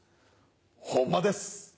ホンマです。